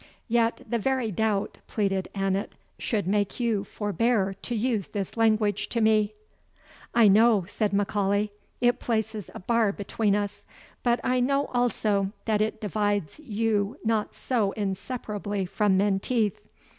"Yet the very doubt," pleaded Annot, "should make you forbear to use this language to me." "I know," said M'Aulay, "it places a bar between us but I know also that it divides you not so inseparably from Menteith.